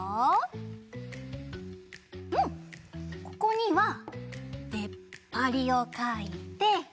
ここにはでっぱりをかいて。